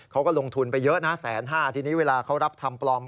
เขาก็ลงทุนไปเยอะนะแสนห้าทีนี้เวลาเขารับทำปลอม